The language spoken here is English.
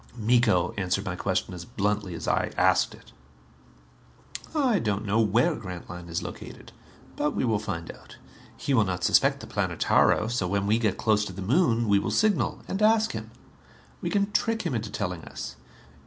Miko answered my question as bluntly as I asked it. "I don't know where Grantline is located. But we will find out. He will not suspect the Planetara so when we get close to the Moon, we will signal and ask him. We can trick him into telling us.